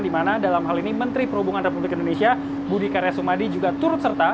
di mana dalam hal ini menteri perhubungan republik indonesia budi karya sumadi juga turut serta